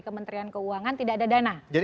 kementerian keuangan tidak ada dana